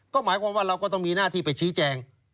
ก็หมายความว่าเราก็ต้องมีหน้าที่ไปชี้แจง